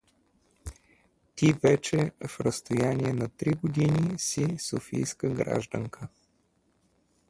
… Ти вече в разстояние на три години си софийска гражданка!